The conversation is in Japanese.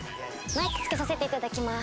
マイクつけさせて頂きます。